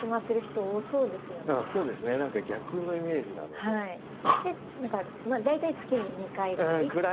で何か大体月に２回ぐらい。